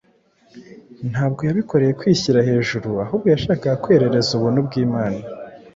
ntabwo yabikoreye kwishyira hejuru ahubwo yashakaga kwerereza ubuntu bw’Imana.